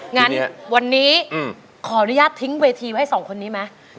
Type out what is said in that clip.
งั้นวันนี้ขออนุญาตทิ้งเวทีไว้สองคนนี้ไหม